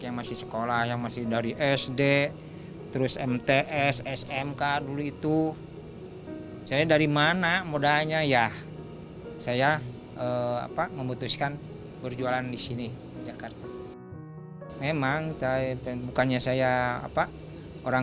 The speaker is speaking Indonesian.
yang masih sekolah yang masih dari sd terus mts smk dulu itu saya dari mana modalnya ya saya apa